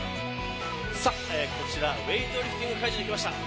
こちらウエイトリフティング会場に来ました。